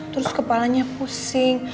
terus kepalanya pusing